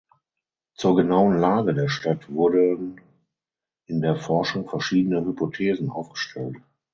Zur genauen Lage der Stadt wurden in der Forschung verschiedene Hypothesen aufgestellt.